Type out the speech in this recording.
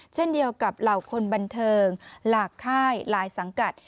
เช่นเดียวกับเหล่าคนบันเทิงหลากค่ายหลายสังกัด